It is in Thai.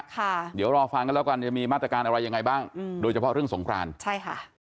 ค่ะเดี๋ยวรอฟังกันแล้วกันจะมีมาตรการอะไรยังไงบ้างอืมโดยเฉพาะเรื่องสงครานใช่ค่ะ